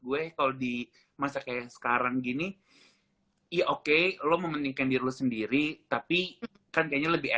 gue kalau di masa kayak sekarang gini ya oke lo memeningkan diri lo sendiri tapi kan kayaknya lebih